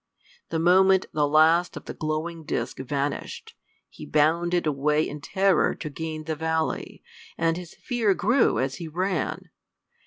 The moment the last of the glowing disk vanished, he bounded away in terror to gain the valley, and his fear grew as he ran.